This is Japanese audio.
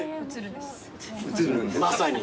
まさに。